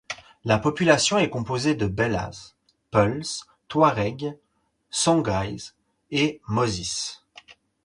La population est composée de Bellas, Peuls, Touaregs, Songhaïs et Mossis.